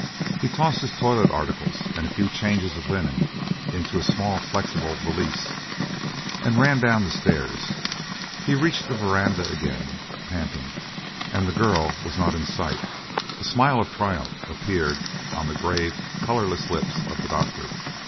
He tossed his toilet articles and a few changes of linen into a small, flexible valise and ran down the stairs. He reached the veranda again, panting, and the girl was not in sight; a smile of triumph appeared on the grave, colourless lips of the doctor.